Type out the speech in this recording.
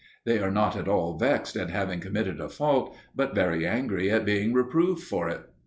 They are not at all vexed at having committed a fault, but very angry at being reproved for it.